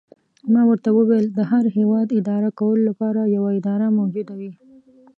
ما ورته وویل: د هر هیواد اداره کولو لپاره یوه اداره موجوده وي.